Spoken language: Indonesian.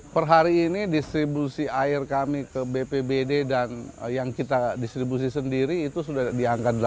per hari ini distribusi air kami ke bpbd dan yang kita distribusi sendiri itu sudah diangkat delapan belas juta liter